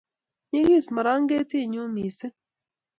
nyekis maranketiinyu misiing